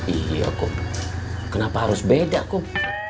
iya kok kenapa harus beda kok